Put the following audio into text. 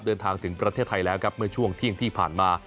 เดินทางถึงประเทศไทยแล้วครับเมื่อช่วงเที่ยงที่ผ่านมา